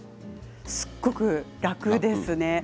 すごく楽ですね。